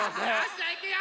じゃあいくよ。